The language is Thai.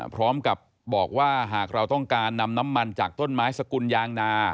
พร้อมกับบอกว่าหากเราต้องการนำน้ำมันจากต้นไม้สกุลยางนา